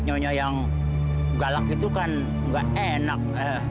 nyonya yang galak itu kan gak enak